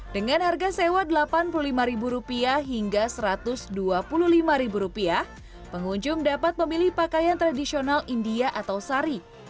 dengan harga sewa rp delapan puluh lima hingga rp satu ratus dua puluh lima pengunjung dapat memilih pakaian tradisional india atau sari